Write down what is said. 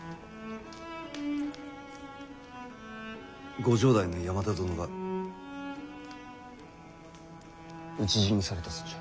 ご城代の山田殿が討ち死にされたそうじゃ。